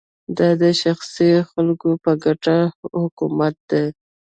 دا د شخصي خلکو په ګټه حکومت دی